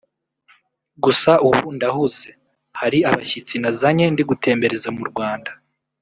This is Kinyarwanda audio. gusa ubu ndahuze hari abashyitsi nazanye ndi gutembereza mu Rwanda